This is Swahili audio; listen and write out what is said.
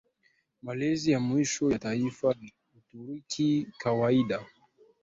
malezi ya mwisho ya taifa la Uturuki kawaida